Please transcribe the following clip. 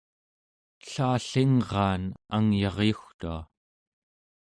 ellallingraan angyaryugtua